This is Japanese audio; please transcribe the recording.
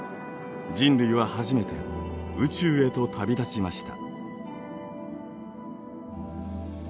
人類は初めて宇宙へと旅立ちました。